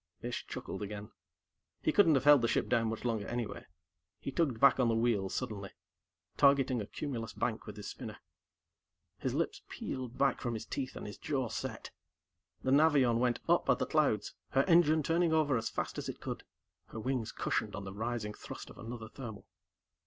Ish chuckled again. He couldn't have held the ship down much longer, anyway. He tugged back on the wheel suddenly, targeting a cumulous bank with his spinner. His lips peeled back from his teeth, and his jaw set. The Navion went up at the clouds, her engine turning over as fast as it could, her wings cushioned on the rising thrust of another thermal.